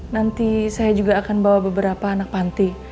nanti saya juga akan bawa beberapa anak panti